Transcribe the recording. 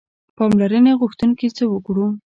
پاملرنې غوښتونکي څه وکړو.